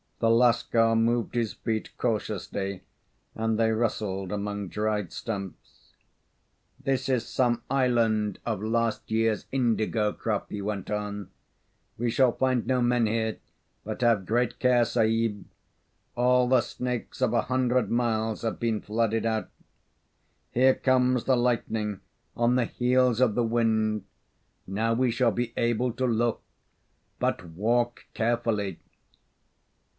The Lascar moved his feet cautiously, and they rustled among dried stumps. "This is some island of last year's indigo crop," he went on. "We shall find no men here; but have great care, Sahib; all the snakes of a hundred miles have been flooded out. Here comes the lightning, on the heels of the wind. Now we shall be able to look; but walk carefully."